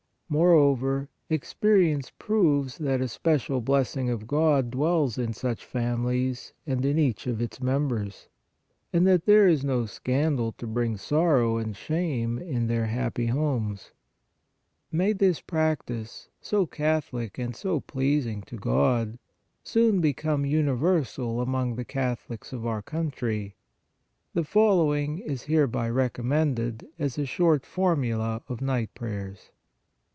Moreover, experience proves that a special blessing of God dwells in such families and in each of its members, and that there is no scandal to bring sorrow and shame in their happy homes. May this practice, so Catholic and so pleasing to God, soon become uni versal among the Catholics of our country! The following is hereby recommended as a short FORMULA OF NIGHT PRAYERS.